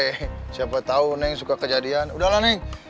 hei siapa tau neng suka kejadian udahlah neng